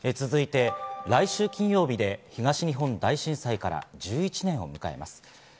続いて、来週金曜日で東日本大震災から１１年を迎えます。